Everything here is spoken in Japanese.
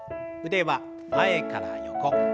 腕は前から横。